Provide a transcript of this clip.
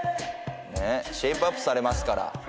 シェイプアップされますから。